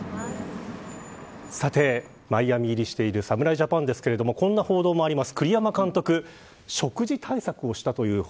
さて、マイアミ入りしている侍ジャパンですがこんな報道もあります。